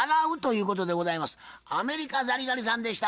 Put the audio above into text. アメリカザリガニさんでした。